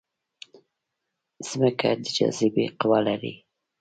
مځکه د جاذبې قوه لري.